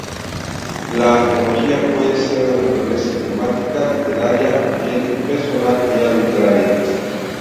La antología puede ser de naturaleza temática, literaria o bien, personal y arbitraria.